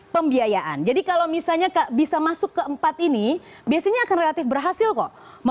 pembiayaan jadi kalau misalnya bisa masuk ke empat ini biasanya akan relatif berhasil kok